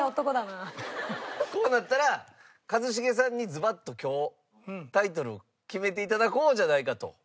こうなったら一茂さんにズバッと今日タイトルを決めて頂こうじゃないかと。